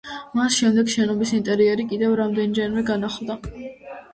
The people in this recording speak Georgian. მას შემდეგ შენობის ინტერიერი კიდევ რამდენიმეჯერ განახლდა.